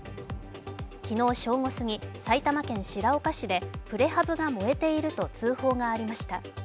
昨日正午過ぎ、埼玉県白岡市でプレハブが燃えていると通報がありました。